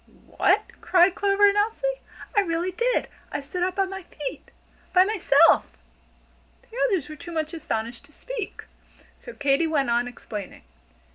"What?" cried Clover and Elsie. "I really did! I stood up on my feet! by myself!" The others were too much astonished to speak, so Katy went on explaining.